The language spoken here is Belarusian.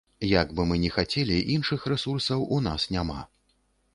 Як бы мы ні хацелі, іншых рэсурсаў у нас няма.